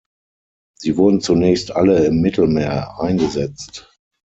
Sie wurden zunächst alle im Mittelmeer eingesetzt.